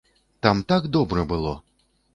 Там так добра было!